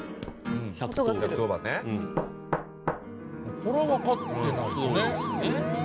これはわかってないとね。